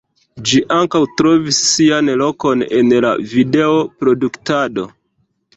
Ĝi ankaŭ trovis sian lokon en la video-produktado.